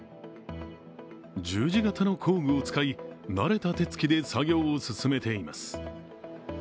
十字型の工具を使い、慣れた手つきで作業を進めています。